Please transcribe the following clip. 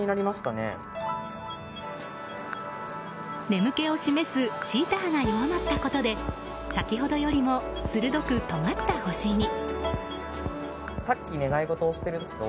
眠気を示すシータ波が弱まったことで先ほどよりも鋭くとがった星に。